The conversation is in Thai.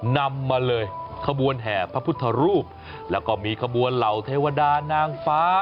นำมาเลยขบวนแห่พระพุทธรูปแล้วก็มีขบวนเหล่าเทวดานางฟ้า